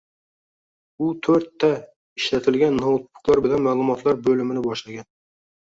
U to'rt ta ta ishlatilgan noutbuklar bilan maʼlumotlar boʻlimini boshlagan